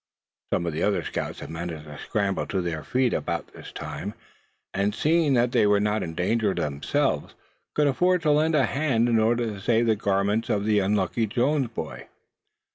Some of the other scouts had managed to scramble to their feet about this time; and seeing that they were not in danger themselves, could afford to lend a hand in order to save the garments of the unlucky Jones boy.